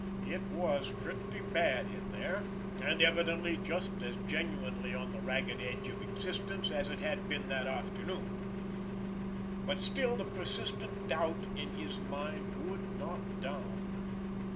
It was pretty bad in there, and evidently just as genuinely on the ragged edge of existence as it had been that afternoon—but still the persistent doubt in his mind would not down.